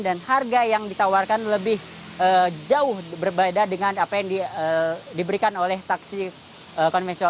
dan harga yang ditawarkan lebih jauh berbeda dengan yang di bandung